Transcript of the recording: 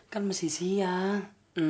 kan masih siang